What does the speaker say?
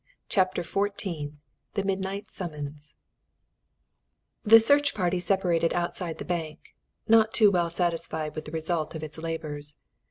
CHAPTER XIV THE MIDNIGHT SUMMONS The search party separated outside the bank, not too well satisfied with the result of its labours.